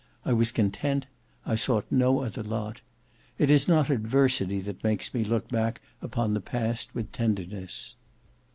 I was content: I sought no other lot. It is not adversity that makes me look back upon the past with tenderness.